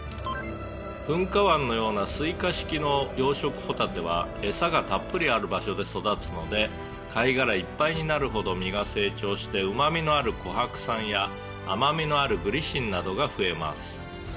「噴火湾のような垂下式の養殖ホタテは餌がたっぷりある場所で育つので貝殻いっぱいになるほど身が成長してうまみのあるコハク酸や甘みのあるグリシンなどが増えます」